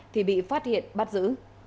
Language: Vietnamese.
thì bị phát hiện bắt giữ